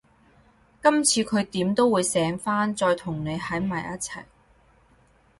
今次佢點都會醒返，再同你喺埋一齊